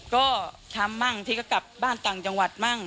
ก็ทำบ้างที่ก็กลับบ้านต่างจังหวัดมั่ง